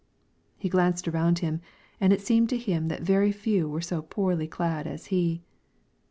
He glanced around him and it seemed to him that very few were so poorly clad as he.